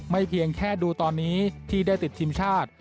เพียงแค่ดูตอนนี้ที่ได้ติดทีมชาติ